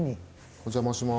お邪魔します。